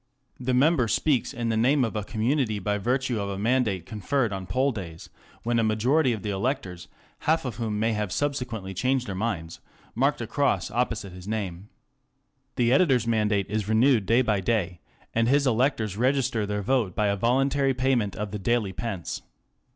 The member speaks in the name of a community by virtue of a mandate conferred on poll days, when a majority of the electors, half of whom may have subsequently changed their minds, marked a cross opposite his name. The editor's mandate is renewed day by day, and his electors register their vote by a voluntary payment of the daily pence.